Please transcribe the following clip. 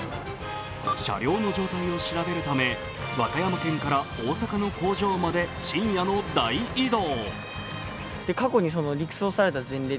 車両の状態を調べるため、和歌山県から大阪の工場まで深夜の大移動。